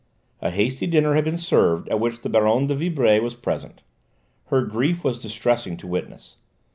A hasty dinner had been served at which the Baronne de Vibray was present. Her grief was distressing to witness.